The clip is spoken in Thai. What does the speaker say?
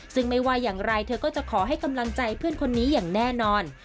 ซึ่งไม่ว่าอย่างไรเธอก็จะขอให้กำลังใจเพื่อนคนนี้อย่างแน่นอน